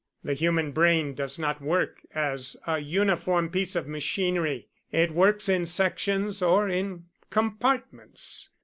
The human brain does not work as a uniform piece of machinery; it works in sections or in compartments.